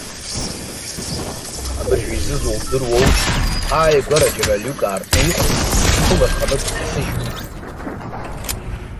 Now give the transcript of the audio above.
Абыржәы изызуа удыруоу, ҳааигәара џьара алиук аартны иҟоуп, ихы ларханы дҭасыжьуеит.